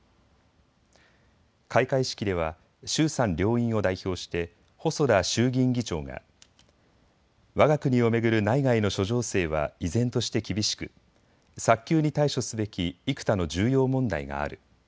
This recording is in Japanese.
開会式では衆参両院を代表して細田衆議院議長が、わが国を巡る内外の諸情勢は依然として厳しく早急に対処すべき幾多の重要問題がある。